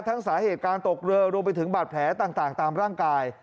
สาเหตุการตกเรือรวมไปถึงบาดแผลต่างตามร่างกาย